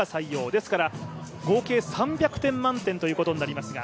ですから合計３００点満点ということになりますが。